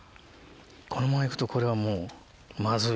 このままいくとこれはもう。